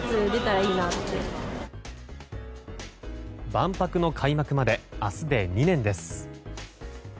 万博の開幕まで明日で２年です。